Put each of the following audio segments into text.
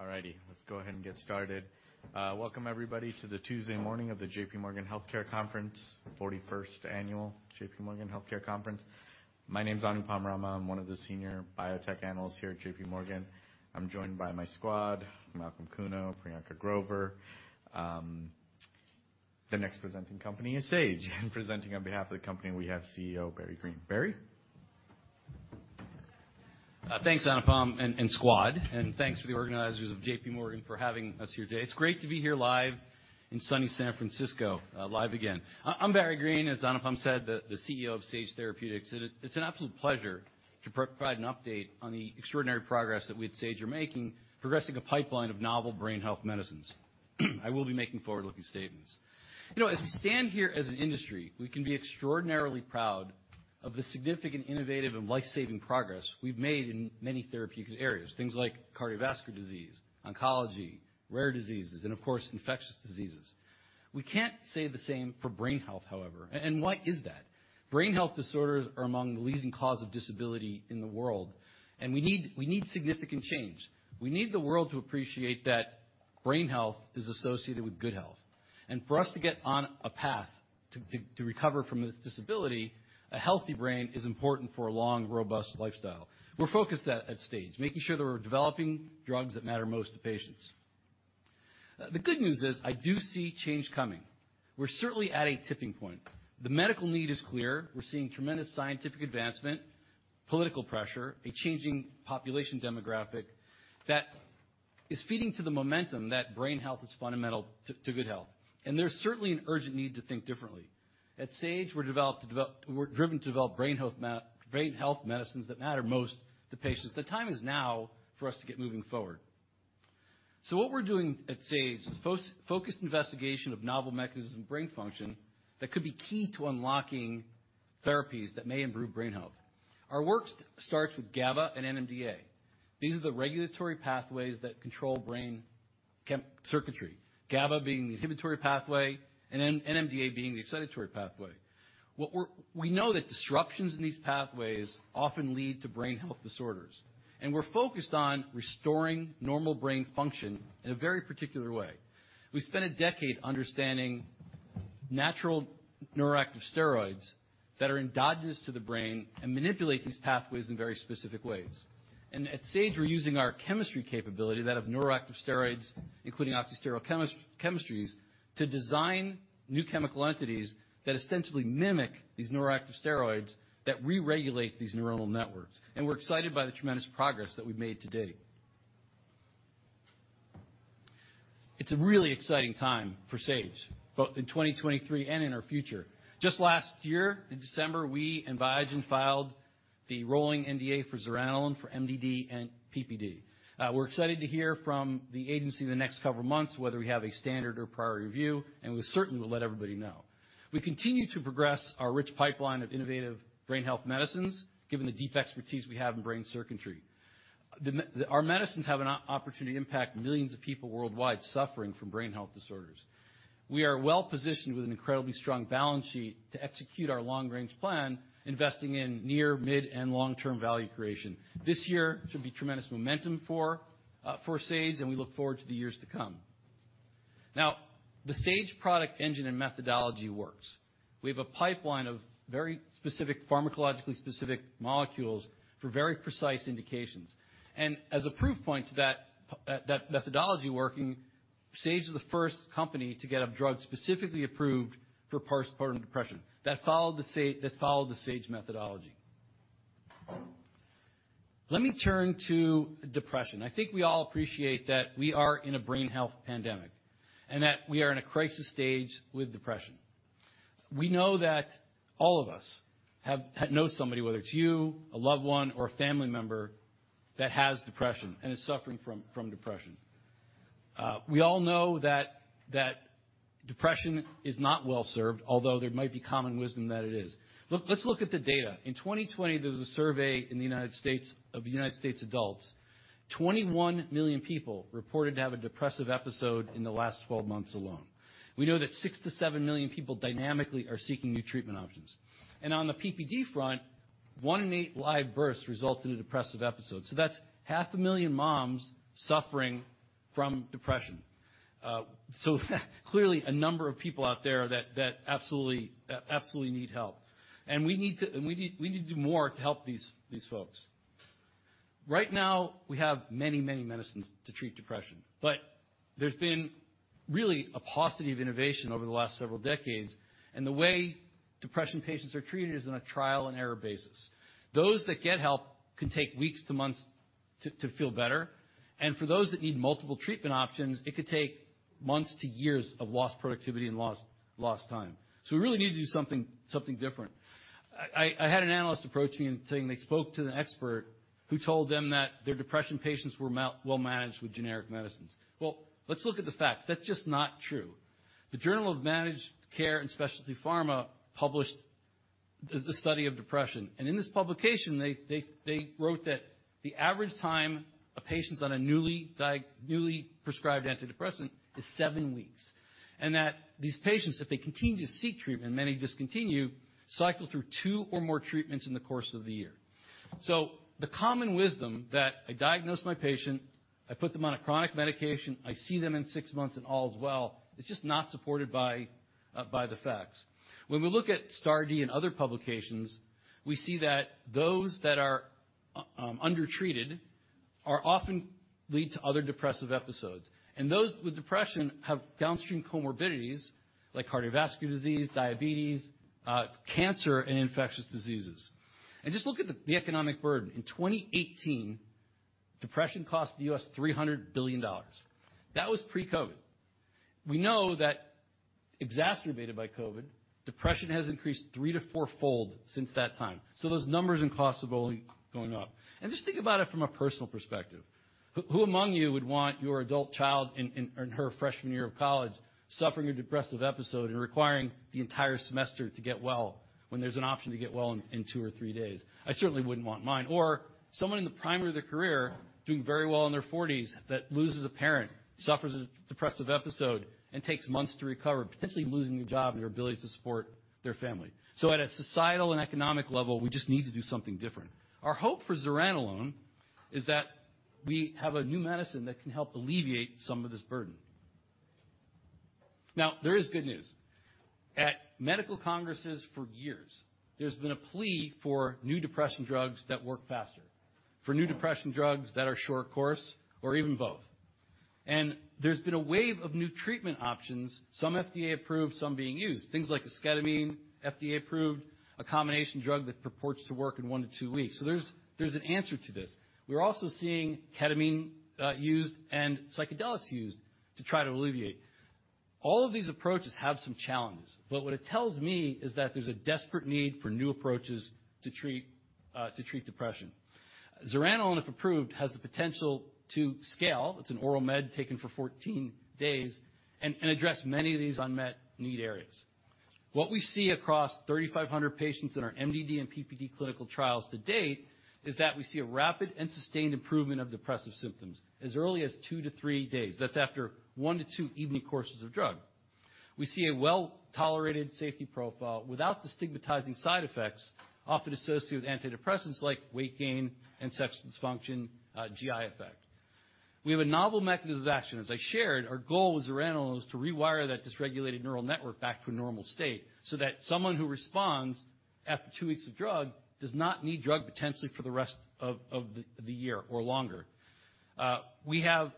All righty. Let's go ahead and get started. Welcome everybody to the Tuesday morning of the JPMorgan Healthcare Conference, 41st annual JPMorgan Healthcare Conference. My name's Anupam Rama. I'm one of the SeniorBiotech Analysts here at JPMorgan. I'm joined by my squad, Malcolm Kuno, Priyanka Grover. The next presenting company is Sage. Presenting on behalf of the company, we have CEO Barry Greene. Barry? Thanks, Anupam Rama and squad, and thanks for the organizers of JPMorgan for having us here today. It's great to be here live in sunny San Francisco, live again. I'm Barry Greene, as Anupam Rama said, the CEO of Sage Therapeutics. It's an absolute pleasure to provide an update on the extraordinary progress that we at Sage are making, progressing a pipeline of novel brain health medicines. I will be making forward-looking statements. You know, as we stand here as an industry, we can be extraordinarily proud of the significant, innovative, and life-saving progress we've made in many therapeutic areas, things like cardiovascular disease, oncology, rare diseases, and of course, infectious diseases. We can't say the same for brain health, however. Why is that? Brain health disorders are among the leading cause of disability in the world, and we need significant change. We need the world to appreciate that brain health is associated with good health. For us to get on a path to recover from this disability, a healthy brain is important for a long, robust lifestyle. We're focused at Sage, making sure that we're developing drugs that matter most to patients. The good news is I do see change coming. We're certainly at a tipping point. The medical need is clear. We're seeing tremendous scientific advancement, political pressure, a changing population demographic that is feeding to the momentum that brain health is fundamental to good health. There's certainly an urgent need to think differently. At Sage, we're driven to develop brain health medicines that matter most to patients. The time is now for us to get moving forward. What we're doing at Sage is focused investigation of novel mechanism brain function that could be key to unlocking therapies that may improve brain health. Our work starts with GABA and NMDA. These are the regulatory pathways that control brain circuitry. GABA being the inhibitory pathway, and NMDA being the excitatory pathway. We know that disruptions in these pathways often lead to brain health disorders, and we're focused on restoring normal brain function in a very particular way. We spent a decade understanding natural neuroactive steroids that are endogenous to the brain and manipulate these pathways in very specific ways. At Sage, we're using our chemistry capability of that neuroactive steroids, including oxysterol chemistries, to design new chemical entities that ostensibly mimic these neuroactive steroids that re-regulate these neuronal networks. We're excited by the tremendous progress that we've made to date. It's a really exciting time for Sage, both in 2023 and in our future. Just last year, in December, we and Biogen filed the rolling NDA for zuranolone for MDD and PPD. We're excited to hear from the agency the next couple of months whether we have a standard or priority review, and we certainly will let everybody know. We continue to progress our rich pipeline of innovative brain health medicines, given the deep expertise we have in brain circuitry. Our medicines have an opportunity to impact millions of people worldwide suffering from brain health disorders. We are well-positioned with an incredibly strong balance sheet to execute our long-range plan, investing in near, mid, and long-term value creation. This year should be tremendous momentum for Sage, and we look forward to the years to come. The Sage product engine and methodology works. We have a pipeline of very specific pharmacologically specific molecules for very precise indications. As a proof point to that methodology working, Sage is the first company to get a drug specifically approved for postpartum depression that followed the Sage methodology. Let me turn to depression. I think we all appreciate that we are in a brain health pandemic, and that we are in a crisis stage with depression. We know that all of us have have known somebody, whether it's you, a loved one, or a family member that has depression and is suffering from depression. We all know that depression is not well-served, although there might be common wisdom that it is. Let's look at the data. In 2020, there was a survey in the United States of United States adults. 21 million people reported to have a depressive episode in the last 12 months alone. We know that six to seven million people dynamically are seeking new treatment options. On the PPD front, one in eight live births results in a depressive episode. That's half a million moms suffering from depression. Clearly, a number of people out there that absolutely need help. We need to do more to help these folks. Right now, we have many medicines to treat depression, but there's been really a paucity of innovation over the last several decades, and the way depression patients are treated is on a trial-and-error basis. Those that get help can take weeks to months to feel better, and for those that need multiple treatment options, it could take months to years of lost productivity and lost time. We really need to do something different. I had an analyst approach me and saying they spoke to an expert who told them that their depression patients were well managed with generic medicines. Well, let's look at the facts. That's just not true. The Journal of Managed Care & Specialty Pharmacy published the study of depression. In this publication, they wrote that the average time a patient's on a newly prescribed antidepressant is seven weeks. These patients, if they continue to seek treatment, many discontinue, cycle through two or more treatments in the course of the year. The common wisdom that I diagnose my patient, I put them on a chronic medication, I see them in six months and all is well, is just not supported by the facts. When we look at STAR*D and other publications, we see that those that are undertreated often lead to other depressive episodes. Those with depression have downstream comorbidities like cardiovascular disease, diabetes, cancer and infectious diseases. Just look at the economic burden. In 2018, depression cost the U.S. $300 billion. That was pre-COVID. We know that exacerbated by COVID, depression has increased three to four-fold since that time. Those numbers and costs are only going up. Just think about it from a personal perspective. Who among you would want your adult child in her freshman year of college suffering a depressive episode and requiring the entire semester to get well when there's an option to get well in two or three days? I certainly wouldn't want mine. Or someone in the prime of their career doing very well in their forties that loses a parent, suffers a depressive episode, and takes months to recover, potentially losing their job and their ability to support their family. At a societal and economic level, we just need to do something different. Our hope for zuranolone is that we have a new medicine that can help alleviate some of this burden. Now, there is good news. At medical congresses for years, there's been a plea for new depression drugs that work faster, for new depression drugs that are short course, or even both. There's been a wave of new treatment options, some FDA approved, some being used, things like esketamine, FDA approved, a combination drug that purports to work in one to two weeks. There's an answer to this. We're also seeing ketamine used and psychedelics used to try to alleviate. All of these approaches have some challenges, but what it tells me is that there's a desperate need for new approaches to treat depression. Zuranolone, if approved, has the potential to scale. It's an oral med taken for 14 days and address many of these unmet need areas. What we see across 3,500 patients in our MDD and PPD clinical trials to date is that we see a rapid and sustained improvement of depressive symptoms as early as two to three days. That's after one to two evening courses of drug. We see a well-tolerated safety profile without the stigmatizing side effects often associated with antidepressants like weight gain and sexual dysfunction, GI effect. We have a novel mechanism of action. As I shared, our goal with zuranolone is to rewire that dysregulated neural network back to a normal state so that someone who responds after two weeks of drug does not need drug potentially for the rest of the year or longer. We have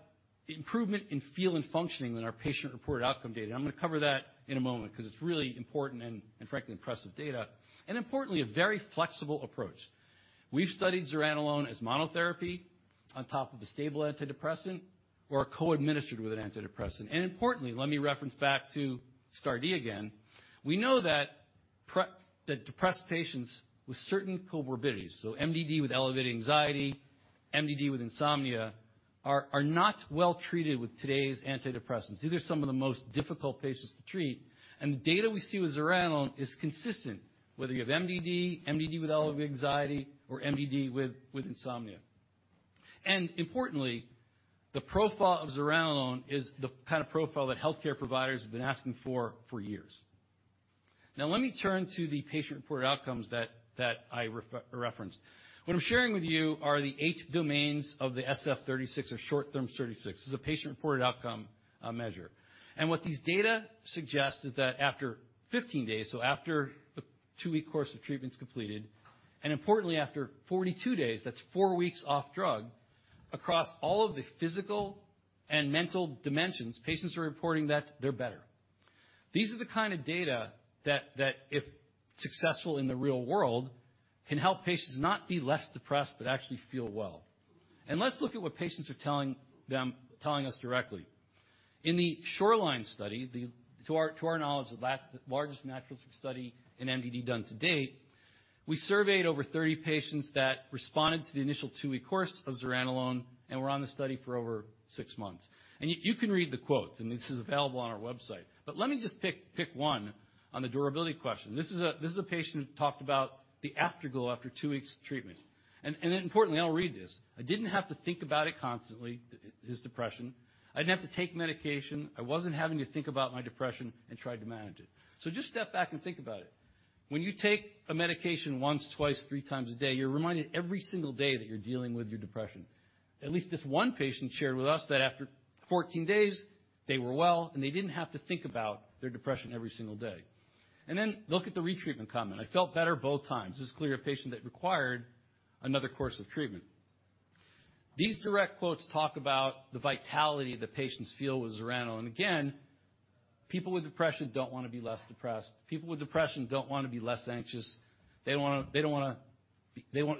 improvement in feel and functioning in our patient-reported outcome data. I'm going to cover that in a moment 'cause it's really important and frankly impressive data, importantly a very flexible approach. We've studied zuranolone as monotherapy on top of a stable antidepressant or co-administered with an antidepressant. Importantly, let me reference back to STAR*D again. We know that depressed patients with certain comorbidities, so MDD with elevated anxiety, MDD with insomnia, are not well treated with today's antidepressants. These are some of the most difficult patients to treat. The data we see with zuranolone is consistent, whether you have MDD with elevated anxiety, or MDD with insomnia. Importantly, the profile of zuranolone is the kind of profile that healthcare providers have been asking for for years. Let me turn to the patient-reported outcomes that I referenced. What I'm sharing with you are the eight domains of the SF-36 or Short Form-36. This is a patient-reported outcome measure. What these data suggest is that after 15 days, so after the two-week course of treatment's completed, and importantly after 42 days, that's four weeks off drug, across all of the physical and mental dimensions, patients are reporting that they're better. These are the kind of data that if successful in the real world, can help patients not be less depressed but actually feel well. Let's look at what patients are telling us directly. In the SHORELINE study, to our knowledge, the largest naturalistic study in MDD done to date, we surveyed over 30 patients that responded to the initial two-week course of zuranolone and were on the study for over six months. You can read the quotes, and this is available on our website. Let me just pick one on the durability question. This is a patient who talked about the afterglow after two weeks of treatment. Importantly, I'll read this. "I didn't have to think about it constantly," his depression. "I didn't have to take medication. I wasn't having to think about my depression and try to manage it." Just step back and think about it. When you take a medication once, twice, three times a day, you're reminded every single day that you're dealing with your depression. At least this one patient shared with us that after 14 days they were well, and they didn't have to think about their depression every single day. Then look at the retreatment comment, "I felt better both times." This is clearly a patient that required another course of treatment. These direct quotes talk about the vitality the patients feel with zuranolone. Again, people with depression don't want to be less depressed. People with depression don't want to be less anxious. They don't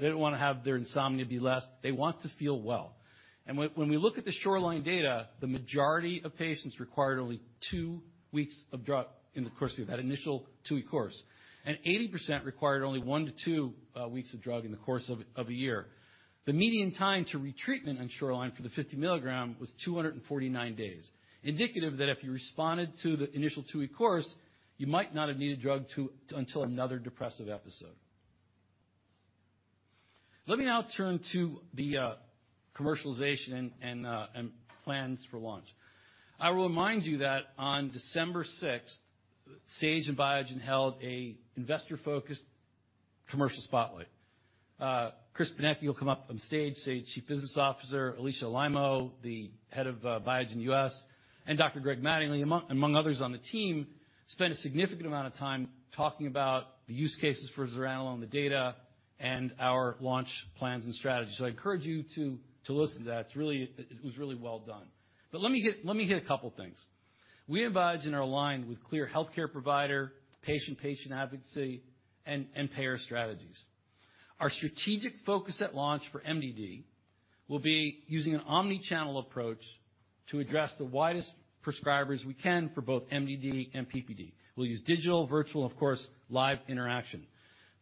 wanna have their insomnia be less. They want to feel well. When we look at the SHORELINE data, the majority of patients required only two weeks of drug in the course of that initial two-week course. 80% required only one to two weeks of drug in the course of a year. The median time to retreatment on Shoreline for the 50 mg was 249 days, indicative that if you responded to the initial two-week course, you might not have needed drug until another depressive episode. Let me now turn to the commercialization and plans for launch. I will remind you that on December 6th, Sage and Biogen held a investor-focused commercial spotlight. Chris Benecchi, he'll come up on stage, Sage Chief Business Officer, Alisha Alaimo, the Head of Biogen U.S., and Dr. Gregory Mattingly, among others on the team, spent a significant amount of time talking about the use cases for zuranolone, the data, and our launch plans and strategies. I encourage you to listen to that. It was really well done. Let me hit a couple things. We at Biogen are aligned with clear healthcare provider, patient advocacy, and payer strategies. Our strategic focus at launch for MDD will be using an omnichannel approach to address the widest prescribers we can for both MDD and PPD. We'll use digital, virtual, and of course, live interaction.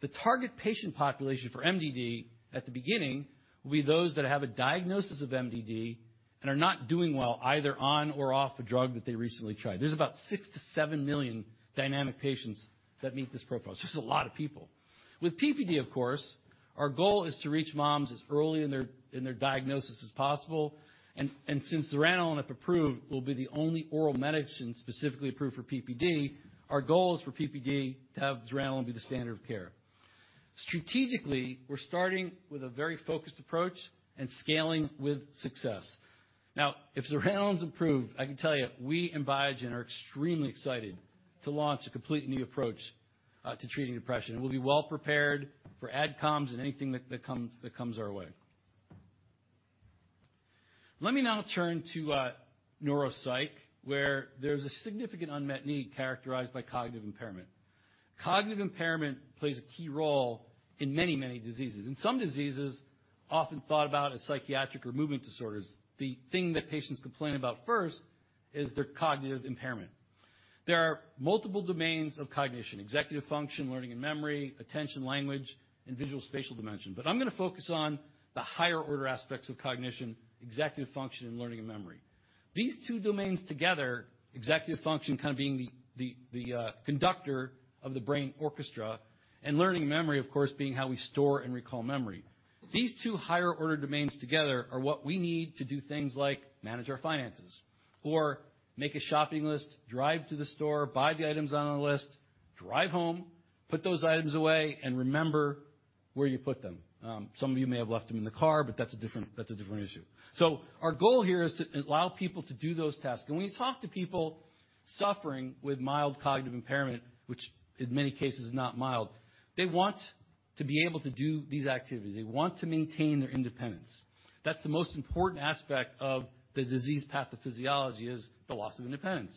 The target patient population for MDD at the beginning will be those that have a diagnosis of MDD and are not doing well either on or off a drug that they recently tried. There's about $6-7 million dynamic patients that meet this profile. It's a lot of people. With PPD, of course, our goal is to reach moms as early in their diagnosis as possible. Since Zuranolone, if approved, will be the only oral medicine specifically approved for PPD, our goal is for PPD to have zuranolone be the standard of care. Strategically, we're starting with a very focused approach and scaling with success. If zuranolone's approved, I can tell you, we and Biogen are extremely excited to launch a complete new approach to treating depression. We'll be well prepared for AdComs and anything that comes our way. Let me now turn to neuropsych, where there's a significant unmet need characterized by cognitive impairment. Cognitive impairment plays a key role in many diseases. In some diseases, often thought about as psychiatric or movement disorders, the thing that patients complain about first is their cognitive impairment. There are multiple domains of cognition: executive function, learning and memory, attention, language, and visual-spatial dimension. I'm gonna focus on the higher order aspects of cognition, executive function, and learning and memory. These two domains together, executive function kind of being the conductor of the brain orchestra, and learning and memory, of course, being how we store and recall memory. These two higher order domains together are what we need to do things like manage our finances or make a shopping list, drive to the store, buy the items on our list, drive home, put those items away, and remember where you put them. Some of you may have left them in the car, but that's a different issue. Our goal here is to allow people to do those tasks. When you talk to people suffering with mild cognitive impairment, which in many cases is not mild, they want to be able to do these activities. They want to maintain their independence. That's the most important aspect of the disease pathophysiology, is the loss of independence.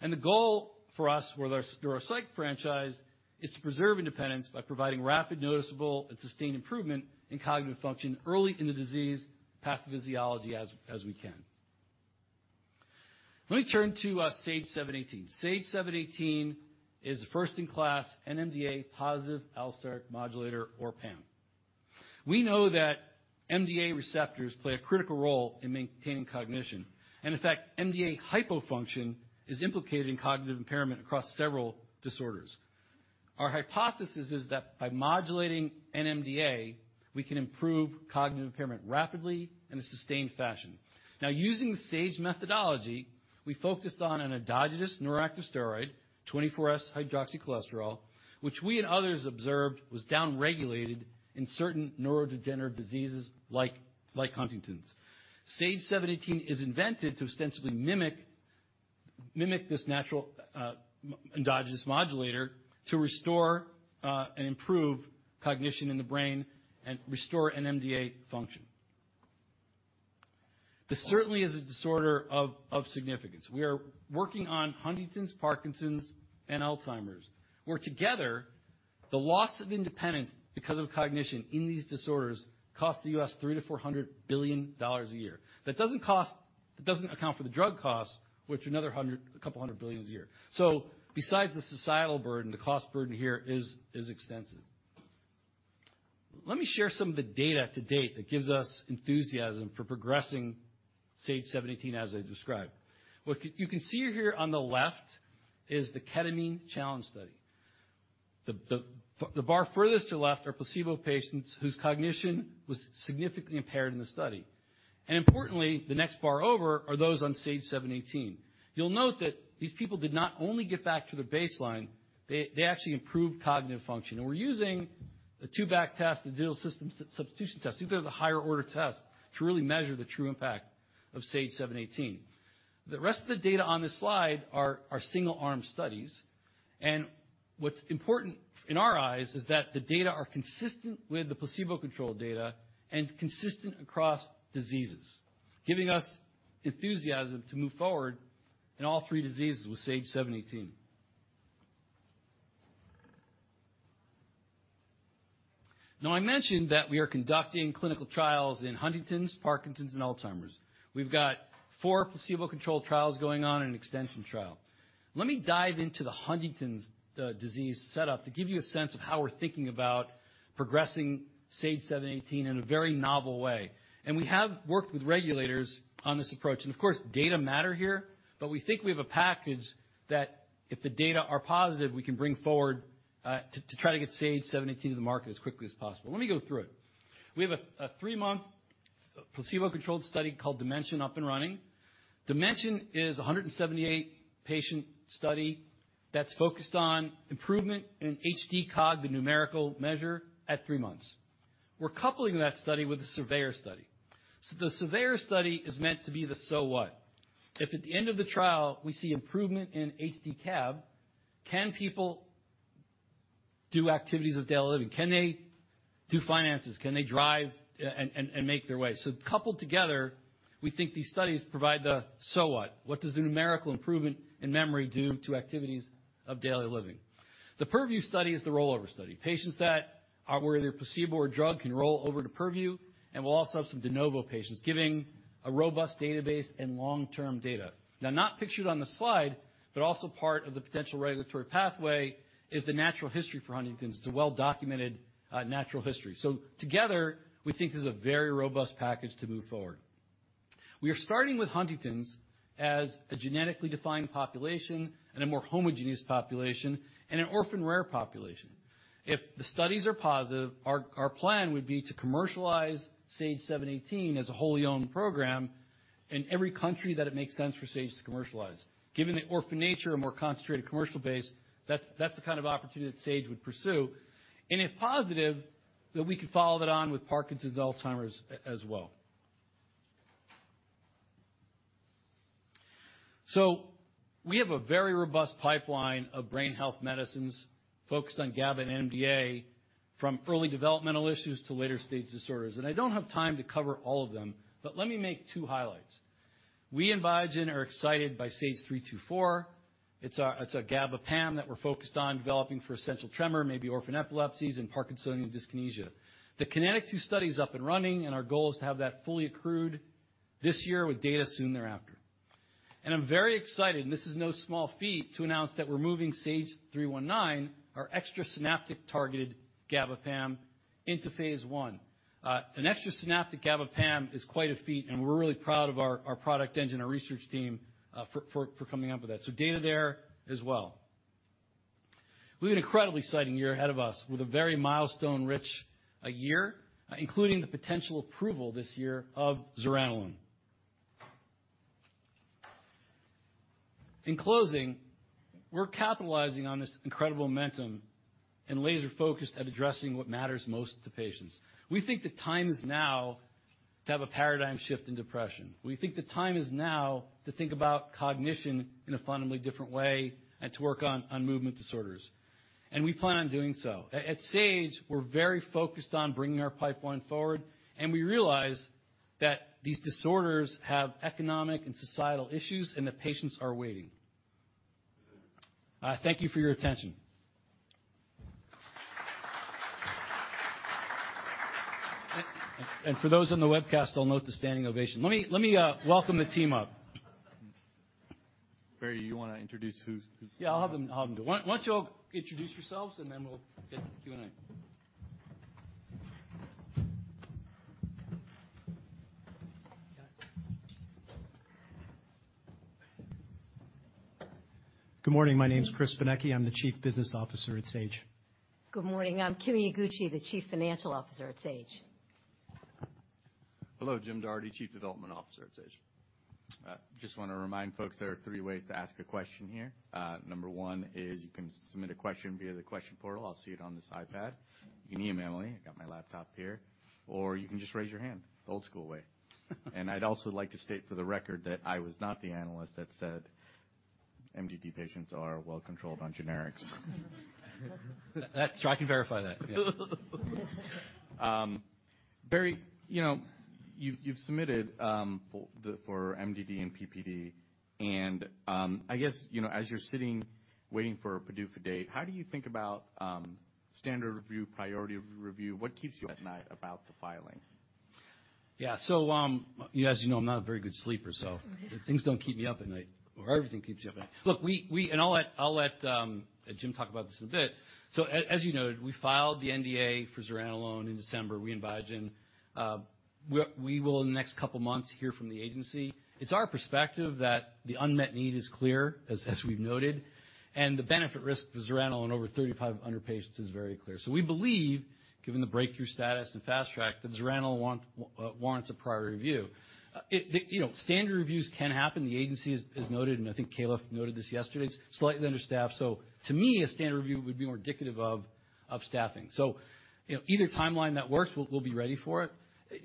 And the goal for us with our neuropsych franchise is to preserve independence by providing rapid, noticeable, and sustained improvement in cognitive function early in the disease pathophysiology as we can. Let me turn to SAGE-718. SAGE-718 is a first-in-class NMDA positive allosteric modulator or PAM. We know that NMDA receptors play a critical role in maintaining cognition. In fact, NMDA hypofunction is implicated in cognitive impairment across several disorders. Our hypothesis is that by modulating NMDA, we can improve cognitive impairment rapidly in a sustained fashion. Now, using the Sage methodology, we focused on an endogenous neuroactive steroid, 24(S)-hydroxycholesterol, which we and others observed was downregulated in certain neurodegenerative diseases like Huntington's disease. SAGE-718 is invented to ostensibly mimic this natural endogenous modulator to restore and improve cognition in the brain and restore NMDA function. This certainly is a disorder of significance. We are working on Huntington's, Parkinson's, and Alzheimer's, where together, the loss of independence because of cognition in these disorders costs the $300 billion-$400 billion a year. That doesn't account for the drug costs, which are another $200 billion a year. Besides the societal burden, the cost burden here is extensive. Let me share some of the data to date that gives us enthusiasm for progressing SAGE-718 as I described. What you can see here on the left is the ketamine challenge study. The bar furthest to left are placebo patients whose cognition was significantly impaired in the study. Importantly, the next bar over are those on SAGE-718. You'll note that these people did not only get back to the baseline, they actually improved cognitive function. We're using the two-back test, the dual system substitution test. These are the higher-order tests to really measure the true impact of SAGE-718. The rest of the data on this slide are single-arm studies. What's important in our eyes is that the data are consistent with the placebo-controlled data and consistent across diseases, giving us enthusiasm to move forward in all three diseases with SAGE-718. I mentioned that we are conducting clinical trials in Huntington's, Parkinson's, and Alzheimer's. We've got four placebo-controlled trials going on and an extension trial. Let me dive into the Huntington's Disease setup to give you a sense of how we're thinking about progressing SAGE-718 in a very novel way. We have worked with regulators on this approach. Of course, data matter here, but we think we have a package that if the data are positive, we can bring forward to try to get SAGE-718 to the market as quickly as possible. Let me go through it. We have a three-month placebo-controlled study called DIMENSION up and running. DIMENSION is a 178 patient study that's focused on improvement in HD-Cog, the numerical measure at three months. We're coupling that study with a SURVEYOR Study. The SURVEYOR Study is meant to be the so what. If at the end of the trial we see improvement in HD-CAB, can people do activities of daily living? Can they do finances? Can they drive and make their way? Coupled together, we think these studies provide the so what? What does the numerical improvement in memory do to activities of daily living? The PURVIEW study is the rollover study. Patients that are either placebo or drug can roll over to PURVIEW, and we'll also have some de novo patients, giving a robust database and long-term data. Not pictured on the slide, but also part of the potential regulatory pathway is the natural history for Huntington's. It's a well-documented natural history. Together, we think this is a very robust package to move forward. We are starting with Huntington's as a genetically defined population and a more homogeneous population, and an orphan rare population. If the studies are positive, our plan would be to commercialize SAGE-718 as a wholly owned program in every country that it makes sense for Sage to commercialize. Given the orphan nature, a more concentrated commercial base, that's the kind of opportunity that Sage would pursue. If positive, we could follow that on with Parkinson's, Alzheimer's as well. We have a very robust pipeline of brain health medicines focused on GABA and NMDA from early developmental issues to later stage disorders. I don't have time to cover all of them, let me make two highlights. We and Biogen are excited by SAGE-324. It's a GABA-PAM that we're focused on developing for essential tremor, maybe orphan epilepsies and Parkinsonian dyskinesia. The KINETIC 2 study's up and running, and our goal is to have that fully accrued this year with data soon thereafter. I'm very excited, and this is no small feat, to announce that we're moving SAGE-319, our extrasynaptic targeted GABA-PAM, into phase I. An extrasynaptic GABA-PAM is quite a feat, and we're really proud of our product engine, our research team, for coming up with that. Data there as well. We have an incredibly exciting year ahead of us with a very milestone rich year, including the potential approval this year of zuranolone. In closing, we're capitalizing on this incredible momentum and laser focused at addressing what matters most to patients. We think the time is now to have a paradigm shift in depression. We think the time is now to think about cognition in a fundamentally different way and to work on movement disorders, and we plan on doing so. At Sage Therapeutics, we're very focused on bringing our pipeline forward, and we realize that these disorders have economic and societal issues and that patients are waiting. Thank you for your attention. For those on the webcast, I'll note the standing ovation. Let me welcome the team up. Barry, you wanna introduce who's? I'll have them do it. Why don't you all introduce yourselves and then we'll get to Q&A. Good morning. My name's Chris Benecchi. I'm the Chief Business Officer at Sage. Good morning. I'm Kimi Iguchi, the Chief Financial Officer at Sage. Hello. James Doherty, Chief Development Officer at Sage. Just wanna remind folks, there are three ways to ask a question here. Number one is you can submit a question via the question portal. I'll see it on this iPad. You can email me. I got my laptop here. Or you can just raise your hand, the old school way. I'd also like to state for the record that I was not the analyst that said MDD patients are well controlled on generics. That's true. I can verify that. Barry, you've submitted for MDD and PPD and, as you're sitting, waiting for a PDUFA date, how do you think about standard review, priority review? What keeps you at night about the filing? Yeah. You guys know I'm not a very good sleeper, so things don't keep me up at night. Well, everything keeps you up at night. Look, we and I'll let Jim talk about this in a bit. As you noted, we filed the NDA for zuranolone in December, we and Biogen. We will in the next couple months hear from the agency. It's our perspective that the unmet need is clear, as we've noted, and the benefit risk of zuranolone over 35 under patients is very clear. We believe, given the breakthrough status and fast track, that zuranolone warrants a prior review. It, the, you know, standard reviews can happen. The agency has noted, and I think Kayla noted this yesterday, it's slightly understaffed. To me, a standard review would be more indicative of staffing. You know, either timeline that works, we'll be ready for it.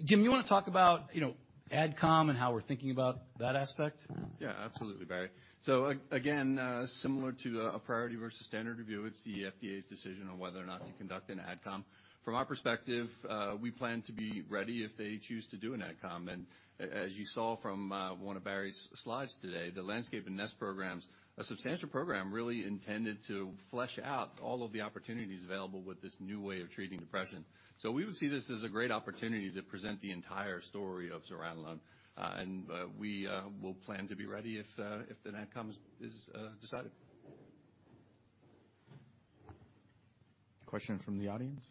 Jim, you wanna talk about, you know, Advisory Committee and how we're thinking about that aspect? Yeah, absolutely, Barry. Again, similar to a priority versus standard review, it's the FDA's decision on whether or not to conduct an Advisory Committee. From our perspective, we plan to be ready if they choose to do an Advisory Committee. As you saw from one of Barry's slides today, the LANDSCAPE and NEST programs, a substantial program really intended to flesh out all of the opportunities available with this new way of treating depression. We would see this as a great opportunity to present the entire story of zuranolone, and we will plan to be ready if an Advisory Committee is decided. Question from the audience?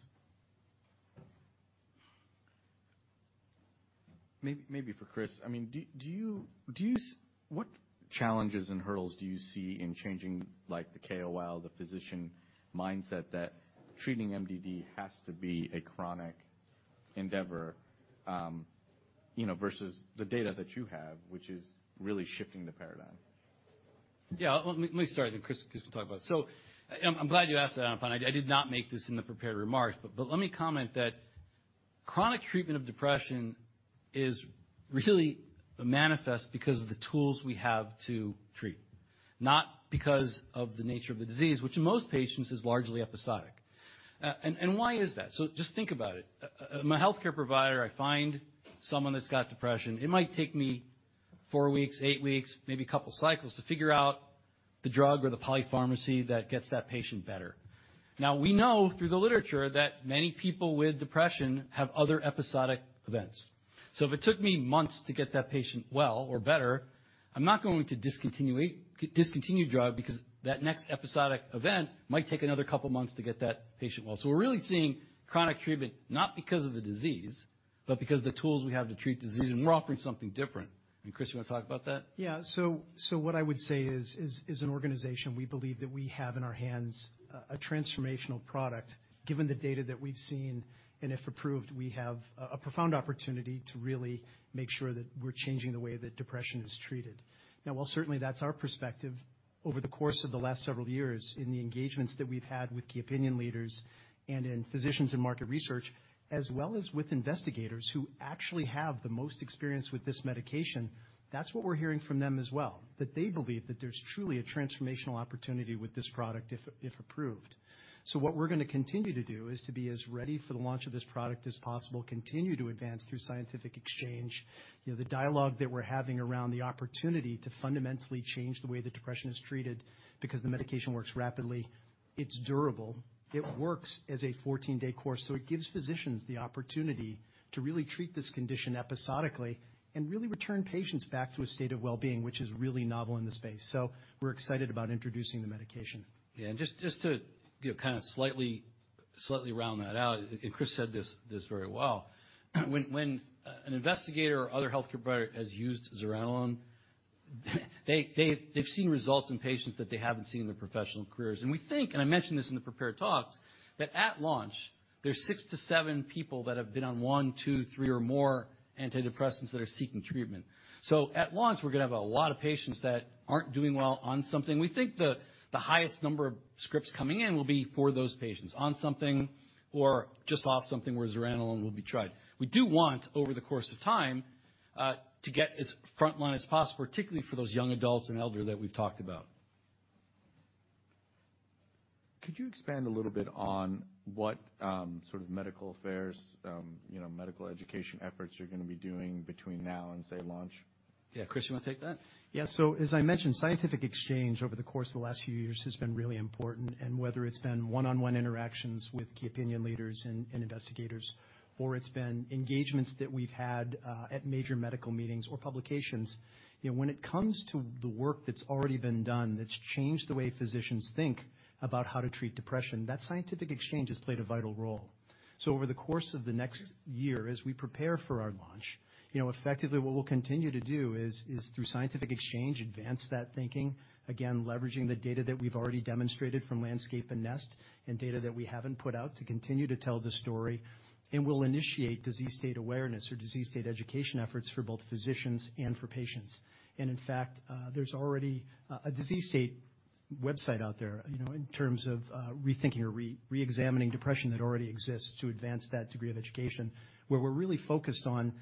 Maybe for Chris. I mean, what challenges and hurdles do you see in changing, like the KOL, the physician mindset that treating MDD has to be a chronic endeavor, you know, versus the data that you have, which is really shifting the paradigm? Yeah. Let me start, Chris will talk about it. I'm glad you asked that, Anupam. I did not make this in the prepared remarks, but let me comment that chronic treatment of depression is really manifest because of the tools we have to treat, not because of the nature of the disease, which in most patients is largely episodic. Why is that? Just think about it. I'm a healthcare provider, I find someone that's got depression. It might take me four weeks, eight weeks, maybe a couple cycles to figure out the drug or the polypharmacy that gets that patient better. Now, we know through the literature that many people with depression have other episodic events. If it took me months to get that patient well or better, I'm not going to discontinue drug because that next episodic event might take another couple months to get that patient well. We're really seeing chronic treatment not because of the disease, but because the tools we have to treat disease. We're offering something different. Chris, you wanna talk about that? Yeah. What I would say is, as an organization, we believe that we have in our hands a transformational product, given the data that we've seen, and if approved, we have a profound opportunity to really make sure that we're changing the way that depression is treated. While certainly that's our perspective over the course of the last several years in the engagements that we've had with key opinion leaders and in physicians and market research, as well as with investigators who actually have the most experience with this medication, that's what we're hearing from them as well, that they believe that there's truly a transformational opportunity with this product if approved. What we're going to continue to do is to be as ready for the launch of this product as possible, continue to advance through scientific exchange, you know, the dialogue that we're having around the opportunity to fundamentally change the way that depression is treated because the medication works rapidly, it's durable, it works as a 14-day course, so it gives physicians the opportunity to really treat this condition episodically and really return patients back to a state of wellbeing, which is really novel in the space. We're excited about introducing the medication. Yeah. Just to, you know, kind of slightly round that out, and Chris said this very well. When an investigator or other healthcare provider has used zuranolone, they've seen results in patients that they haven't seen in their professional careers. We think, and I mentioned this in the prepared talks, that at launch, there's six to seven people that have been on one, two, three or more antidepressants that are seeking treatment. At launch, we're gonna have a lot of patients that aren't doing well on something. We think the highest number of scripts coming in will be for those patients on something or just off something where zuranolone will be tried. We do want, over the course of time, to get as frontline as possible, particularly for those young adults and elder that we've talked about. Could you expand a little bit on what, sort of medical affairs, you know, medical education efforts you're gonna be doing between now and say launch? Yeah. Chris, you wanna take that? As I mentioned, scientific exchange over the course of the last few years has been really important. Whether it's been one-on-one interactions with key opinion leaders and investigators, or it's been engagements that we've had at major medical meetings or publications, you know, when it comes to the work that's already been done that's changed the way physicians think about how to treat depression, that scientific exchange has played a vital role. Over the course of the next year, as we prepare for our launch, you know, effectively, what we'll continue to do is through scientific exchange, advance that thinking, again, leveraging the data that we've already demonstrated from LANDSCAPE and NEST and data that we haven't put out to continue to tell the story. We'll initiate disease state awareness or disease state education efforts for both physicians and for patients. In fact, there's already a disease state website out there, you know, in terms of rethinking or reexamining depression that already exists to advance that degree of education, where we're really focused on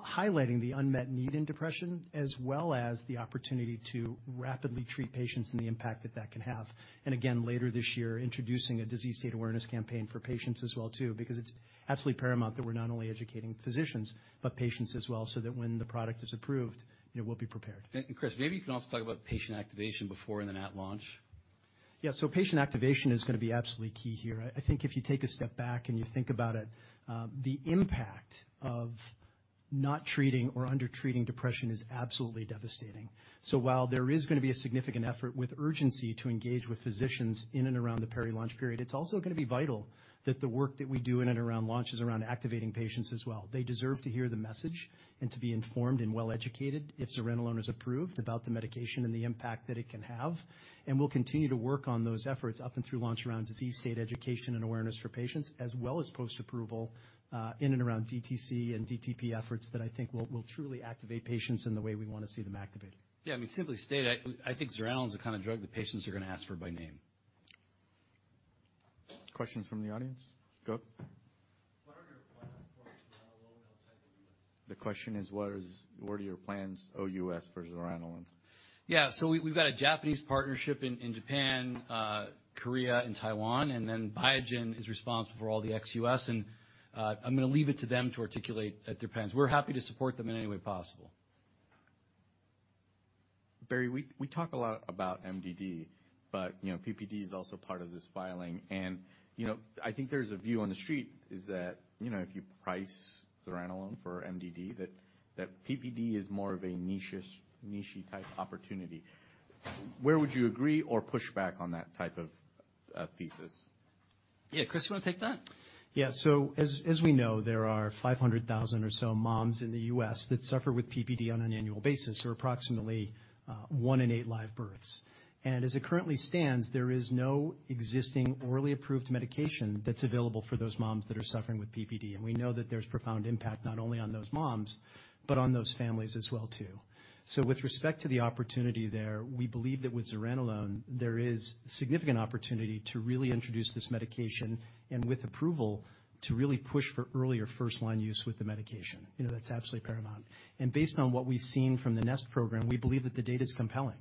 highlighting the unmet need in depression as well as the opportunity to rapidly treat patients and the impact that can have. Again, later this year, introducing a disease state awareness campaign for patients as well too, because it's absolutely paramount that we're not only educating physicians, but patients as well, so that when the product is approved, you know, we'll be prepared. Thank you Chris. Maybe you can also talk about patient activation before and then at launch. Patient activation is gonna be absolutely key here. I think if you take a step back and you think about it, the impact of not treating or under-treating depression is absolutely devastating. While there is gonna be a significant effort with urgency to engage with physicians in and around the peri-launch period, it's also gonna be vital that the work that we do in and around launch is around activating patients as well. They deserve to hear the message and to be informed and well-educated, if zuranolone is approved, about the medication and the impact that it can have. We'll continue to work on those efforts up and through launch around disease state education and awareness for patients, as well as post-approval, in and around DTC and DTP efforts that I think will truly activate patients in the way we wanna see them activated. Yeah. I mean, simply stated, I think zuranolone is the kind of drug that patients are gonna ask for by name. Questions from the audience. Go. What are your plans OUS for zuranolone? The question is, what are your plans OUS for zuranolone? Yeah. We've got a Japanese partnership in Japan, Korea and Taiwan. Biogen is responsible for all the ex-U.S. I'm gonna leave it to them to articulate at their plans. We're happy to support them in any way possible. Barry, we talk a lot about MDD, but, you know, PPD is also part of this filing. I think there's a view on The Street is that, you know, if you price zuranolone for MDD, that PPD is more of a niche-ish, niche-y type opportunity. Where would you agree or push back on that type of thesis? Yeah, Chris, you wanna take that? As we know, there are 500,000 or so moms in the U.S. that suffer with PPD on an annual basis, or approximately one in eight live births. As it currently stands, there is no existing orally approved medication that's available for those moms that are suffering with PPD. We know that there's profound impact not only on those moms, but on those families as well, too. With respect to the opportunity there, we believe that with zuranolone, there is significant opportunity to really introduce this medication, and with approval, to really push for earlier first-line use with the medication. You know, that's absolutely paramount. Based on what we've seen from the NEST program, we believe that the data's compelling.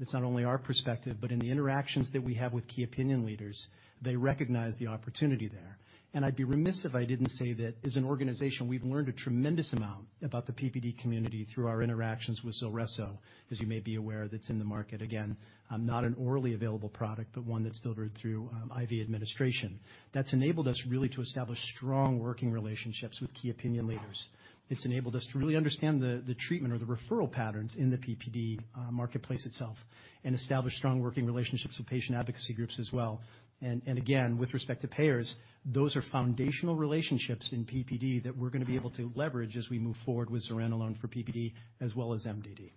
That's not only our perspective, but in the interactions that we have with key opinion leaders, they recognize the opportunity there. I'd be remiss if I didn't say that as an organization, we've learned a tremendous amount about the PPD community through our interactions with ZULRESSO, as you may be aware, that's in the market. Again, not an orally available product, but one that's delivered through IV administration. That's enabled us really to establish strong working relationships with key opinion leaders. It's enabled us to really understand the treatment or the referral patterns in the PPD marketplace itself, and establish strong working relationships with patient advocacy groups as well. Again, with respect to payers, those are foundational relationships in PPD that we're gonna be able to leverage as we move forward with zuranolone for PPD as well as MDD.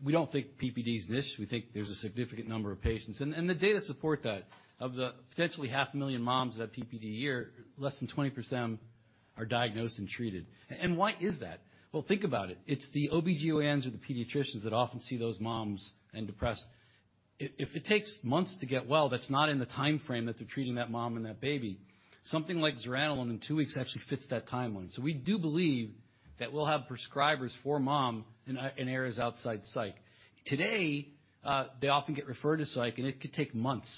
We don't think PPD is niche. We think there's a significant number of patients, and the data support that. Of the potentially half a million moms that have PPD a year, less than 20% are diagnosed and treated. Why is that? Well, think about it. It's the OBGYNs or the pediatricians that often see those moms and depressed. If it takes months to get well, that's not in the timeframe that they're treating that mom and that baby. Something like zuranolone in two weeks actually fits that timeline. We do believe that we'll have prescribers for mom in areas outside psych. Today, they often get referred to psych, and it could take months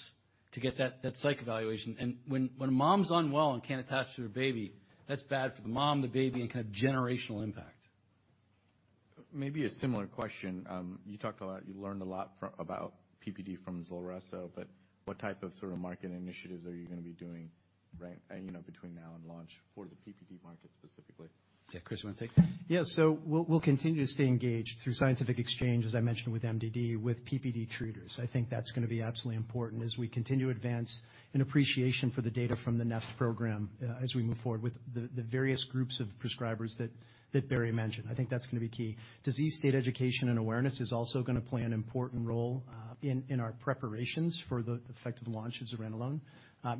to get that psych evaluation. When mom's unwell and can't attach to her baby, that's bad for the mom, the baby, and can have generational impact. Maybe a similar question. You talked a lot, you learned a lot about PPD from ZULRESSO, what type of sort of market initiatives are you gonna be doing right, you know, between now and launch for the PPD market specifically? Yeah. Chris, you wanna take that? We'll continue to stay engaged through scientific exchange, as I mentioned with MDD, with PPD treaters. I think that's gonna be absolutely important as we continue to advance an appreciation for the data from the NEST program, as we move forward with the various groups of prescribers that Barry mentioned. I think that's gonna be key. Disease state education and awareness is also gonna play an important role in our preparations for the effective launch of zuranolone,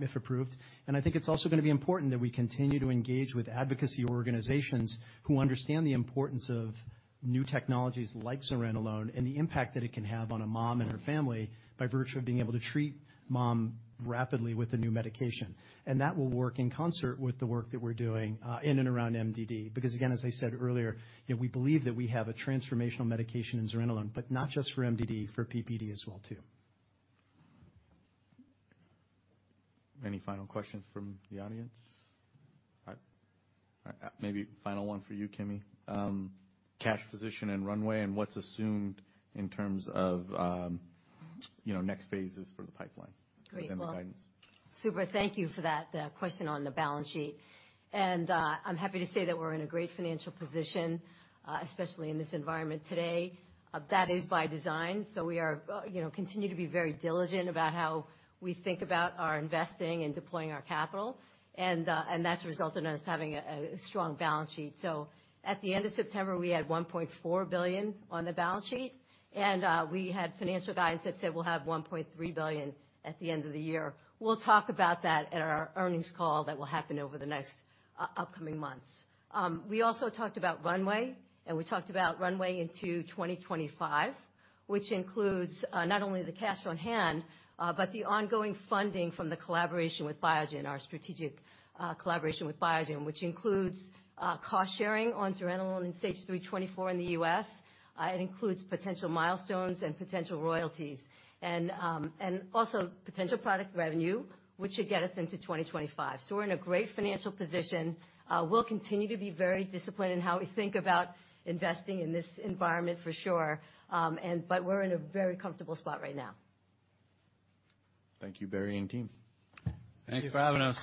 if approved. I think it's also gonna be important that we continue to engage with advocacy organizations who understand the importance of new technologies like zuranolone and the impact that it can have on a mom and her family by virtue of being able to treat mom rapidly with a new medication. That will work in concert with the work that we're doing, in and around MDD. Again, as I said earlier, you know, we believe that we have a transformational medication in zuranolone, but not just for MDD, for PPD as well, too. Any final questions from the audience? Maybe final one for you, Kimi. Cash position and runway and what's assumed in terms of, you know, next phases for the pipeline-. Great. Well. The guidance. Subra, thank you for that question on the balance sheet. I'm happy to say that we're in a great financial position, especially in this environment today. That is by design. We are, you know, continue to be very diligent about how we think about our investing and deploying our capital. That's resulted in us having a strong balance sheet. At the end of September, we had $1.4 billion on the balance sheet. We had financial guidance that said we'll have $1.3 billion at the end of the year. We'll talk about that at our earnings call that will happen over the next upcoming months. We also talked about runway, and we talked about runway into 2025, which includes not only the cash on hand, but the ongoing funding from the collaboration with Biogen, our strategic collaboration with Biogen, which includes cost sharing on zuranolone in SAGE-324 in the U.S. It includes potential milestones and potential royalties and also potential product revenue, which should get us into 2025. We're in a great financial position. We'll continue to be very disciplined in how we think about investing in this environment for sure. But we're in a very comfortable spot right now. Thank you, Barry and team. Thanks for having us.